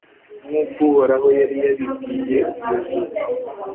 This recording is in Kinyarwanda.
nk'uko uroraho yari yabibwiye yozuwe